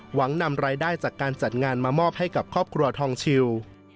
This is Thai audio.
นำรายได้จากการจัดงานมามอบให้กับครอบครัวทองชิว